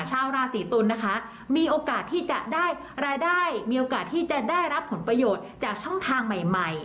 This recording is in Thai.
ชาวราศีตุลนะคะมีโอกาสที่จะได้รายได้มีโอกาสที่จะได้รับผลประโยชน์จากช่องทางใหม่ใหม่